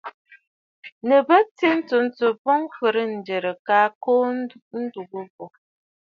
Nɨ bə tswe a ntsǔǹtsù boŋ fɨ̀rɨ̂ŋə̀rə̀ àa kɔʼɔ a ndùgə bù.